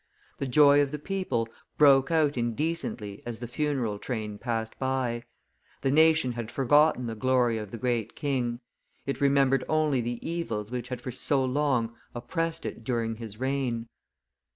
The joy of the people broke out indecently as the funeral train passed by; the nation had forgotten the glory of the great king; it remembered only the evils which had for so long oppressed it during his reign.